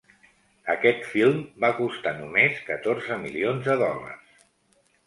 Aquest film va costar només catorze milions de dòlars.